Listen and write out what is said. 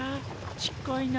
ちっこいの。